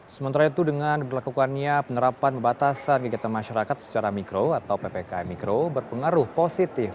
sementara itu dengan berlakukannya penerapan batasan gigitan masyarakat secara mikro atau ppkm mikro berpengaruh positif